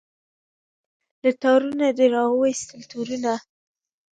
له تارونو دي را وایستل تورونه